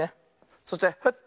そしてフッ。